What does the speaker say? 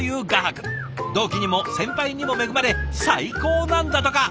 同期にも先輩にも恵まれ最高なんだとか。